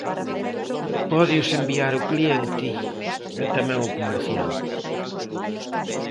Pódeos enviar o cliente e tamén o comerciante.